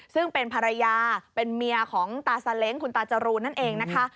ซึ่งเป็นภรรยาเป็นเมียของตาซาเล้งคุณตาจรูนนั่นเองนะคะ